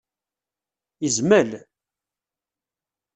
Yezmel?